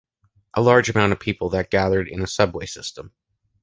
A large amount of people that gathered in a subway system.